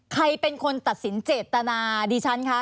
ใครเป็นคนตัดสินเจตนาดิฉันคะ